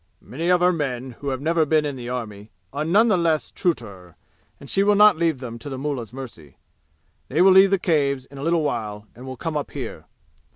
"Many of her men who have never been in the army, are none the less true to her, and she will not leave them to the mullah's mercy. They will leave the Caves in a little while and will come up here.